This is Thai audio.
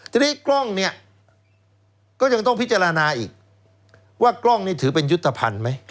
ทีนี้กล้องเนี่ยก็ยังต้องพิจารณาอีกว่ากล้องนี่ถือเป็นยุทธภัณฑ์ไหม